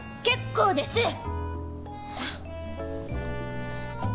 結構です！